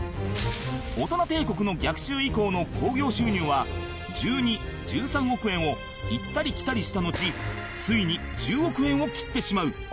『オトナ帝国の逆襲』以降の興行収入は１２１３億円を行ったり来たりしたのちついに１０億円を切ってしまう